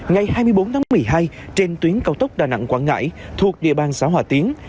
ngày hai mươi bốn tháng một mươi hai trên tuyến cao tốc đà nẵng quảng ngãi thuộc địa bàn xã hòa tiến